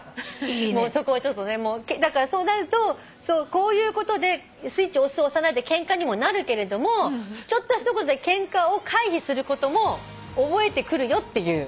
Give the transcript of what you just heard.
だからそうなるとこういうことでスイッチ押す押さないってケンカにもなるけれどもケンカを回避することも覚えてくるよっていう。